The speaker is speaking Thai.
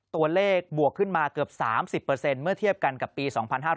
ตัวเลขบวกขึ้นมาเกือบ๓๐เมื่อเทียบกันกับปี๒๕๕๙